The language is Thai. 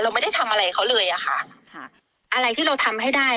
ไม่ได้ทำอะไรเขาเลยอะค่ะค่ะอะไรที่เราทำให้ได้